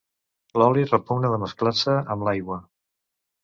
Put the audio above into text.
L'oli repugna de mesclar-se amb l'aigua.